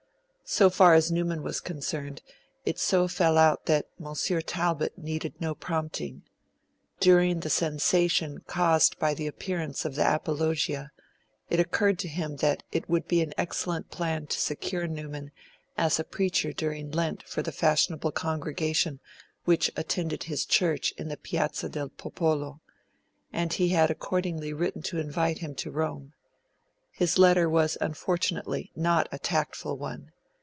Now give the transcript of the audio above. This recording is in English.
So far as Newman was concerned, it so fell out that Monsignor Talbot needed no prompting. During the sensation caused by the appearance of the Apologia, it had occurred to him that it would be an excellent plan to secure Newman as a preacher during Lent for the fashionable congregation which attended his church in the Piazza del Popolo; and, he had accordingly written to invite him to Rome. His letter was unfortunately not a tactful one.